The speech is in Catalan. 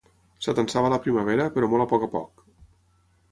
S'atansava la primavera, però molt a poc a poc.